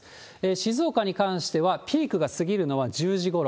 静岡に関しては、ピークが過ぎるのは１０時ごろ。